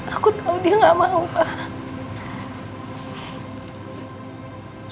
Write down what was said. aku tahu dia gak mau